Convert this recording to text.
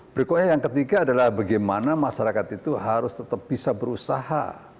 berikutnya yang ketiga adalah bagaimana masyarakat itu harus tetap bisa berusaha